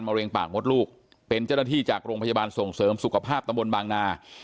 เร็งปากมดลูกเป็นเจ้าหน้าที่จากโรงพยาบาลส่งเสริมสุขภาพตำบลบางนา